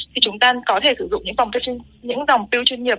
thì chúng ta có thể sử dụng những dòng piu chuyên nghiệp